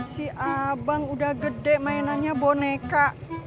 si abang udah gede mainannya boneka